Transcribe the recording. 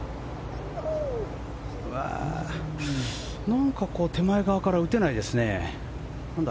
なんか手前側から打てないですね。